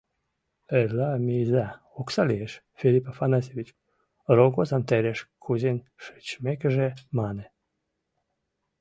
— Эрла мийыза, окса лиеш, — Филипп Афанасьевич рогозам тереш кузен шичмекыже мане.